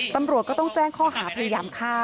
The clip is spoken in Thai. ตำรวจก็ต้องแจ้งข้อหาพยายามฆ่า